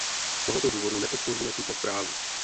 Z tohoto důvodu nepodpoříme tuto zprávu.